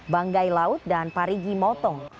banggai laut dan parigi motong